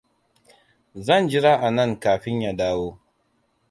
Zan jira anan kafin ya dawo.